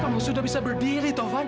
namun sudah bisa berdiri taufan